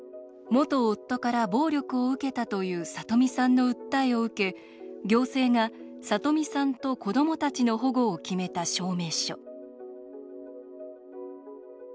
元夫から暴力を受けたというさとみさんの訴えを受け行政が、さとみさんと子どもたちの保護を決めた証明書。